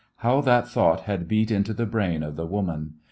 How that thought had beat into the brain of the woman.